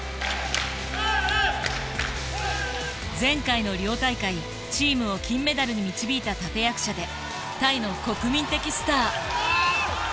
前回のリオ大会チームを金メダルに導いた立て役者でタイの国民的スター。